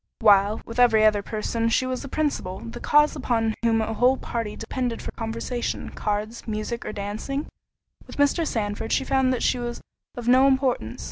While, with every other person she was the principle, the cause upon whom a whole party depended for conversation, cards, musick, or dancing, with Mr. Sandford she found that she was of no importance.